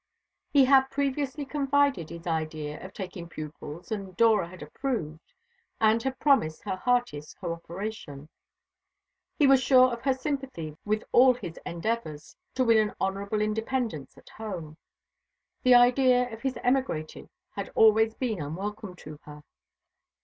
He had previously confided his idea of taking pupils, and Dora had approved, and had promised her heartiest cooperation. He was sure of her sympathy with all his endeavours to win an honourable independence at home. The idea of his emigrating had always been unwelcome to her.